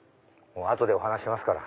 後でお話ししますから。